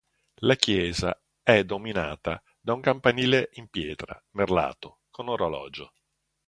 La chiese è dominata da un campanile in pietra merlato con orologio.